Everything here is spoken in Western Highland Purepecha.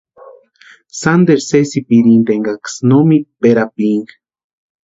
Sánteru sésipirinti eskaksï no mítperapirinka.